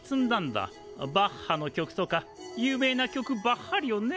バッハの曲とか有名な曲ばっはりをね。